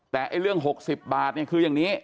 แต่เรื่อง๖๐บาทเนี่ยคืออย่างนี้